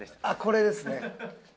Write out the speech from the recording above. ああこれですね。